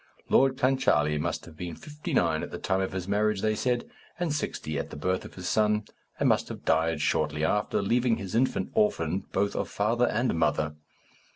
Lord Clancharlie must have been fifty nine at the time of his marriage, they said, and sixty at the birth of his son, and must have died shortly after, leaving his infant orphaned both of father and mother.